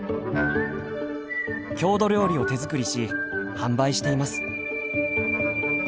郷土料理を手作りし販売しています。